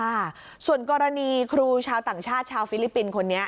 ค่ะส่วนกรณีครูชาวต่างชาติชาวฟิลิปปินส์คนนี้